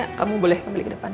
ya kamu boleh kembali ke depan